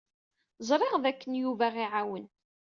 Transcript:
Ẓriɣ dakken Yuba ad aɣ-iɛawen.